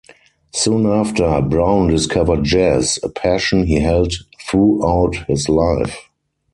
Soon after, Brown discovered jazz, a passion he held throughout his life.